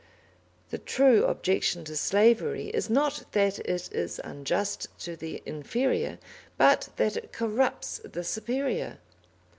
The true objection to slavery is not that it is unjust to the inferior but that it corrupts the superior.